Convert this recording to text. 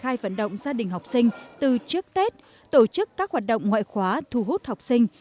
khai vận động gia đình học sinh từ trước tết tổ chức các hoạt động ngoại khóa thu hút học sinh